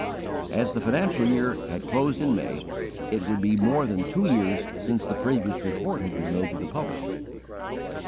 As the financial year had closed in May, it would be more than two years since the previous report had been made to the public.